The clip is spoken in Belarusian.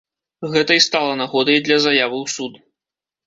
Гэта і стала нагодай для заявы ў суд.